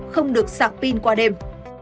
không được sạc pin qua đêm